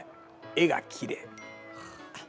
絵がきれい。